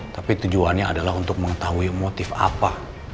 tapi tujuannya adalah untuk mengetahui motif apa